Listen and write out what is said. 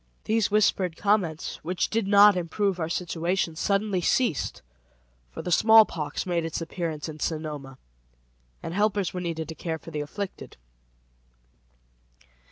These whispered comments, which did not improve our situation, suddenly ceased, for the smallpox made its appearance in Sonoma, and helpers were needed to care for the afflicted.